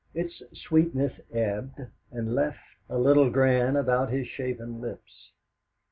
Its sweetness ebbed, and left a little grin about his shaven lips.